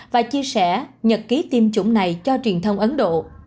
và chia sẻ nhật ký tiêm chủng này cho truyền thông ấn độ